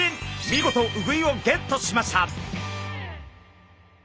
見事ウグイをゲットしました。